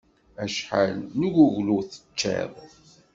Acḥal n uguglu i teččiḍ?